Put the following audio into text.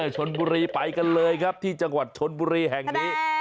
ชนบุรีไปกันเลยครับที่จังหวัดชนบุรีแห่งนี้